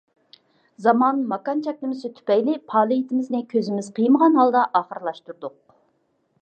زامان، ماكان چەكلىمىسى تۈپەيلى پائالىيىتىمىزنى كۆزىمىز قىيمىغان ھالدا ئاخىرلاشتۇردۇق.